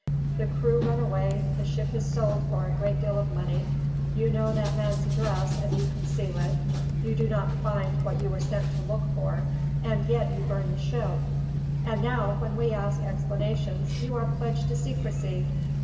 The crew run away, the ship is sold for a great deal of money, you know that man's address and you conceal it, you do not find what you were sent to look for, and yet you burn the ship; and now, when we ask explanations, you are pledged to secrecy!